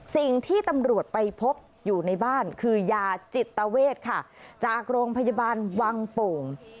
สิ่งที่ตำรวจไปพบอยู่ในบ้านคือยาจิตเวทค่ะจากโรงพยาบาลวังโป่ง